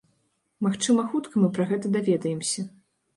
Магчыма хутка мы пра гэта даведаемся.